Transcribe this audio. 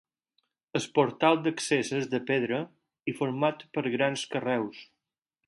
El portal d'accés és de pedra i format per grans carreus.